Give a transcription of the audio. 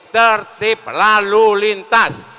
tertib lalu lintas